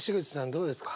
どうですか？